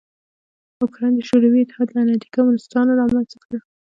اوکراین د شوروي اتحاد لعنتي کمونستانو رامنځ ته کړ.